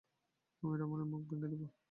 আমরা রামিনের মুখ ভেঙে দেব।